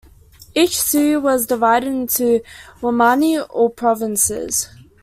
Each "suyu" was divided into "wamani", or provinces.